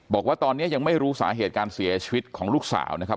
บอกว่าตอนนี้ยังไม่รู้สาเหตุการเสียชีวิตของลูกสาวนะครับ